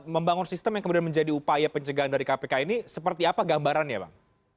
membangun sistem yang kemudian menjadi upaya pencegahan dari kpk ini seperti apa gambarannya bang